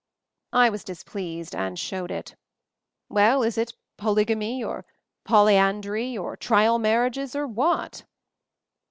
I was displeased, and showed it. "Well, is it Polygamy, or Polyandry, or Trial Marriages, or what?"